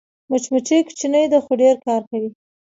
مچمچۍ کوچنۍ ده خو ډېر کار کوي